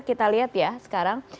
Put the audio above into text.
kita lihat ya sekarang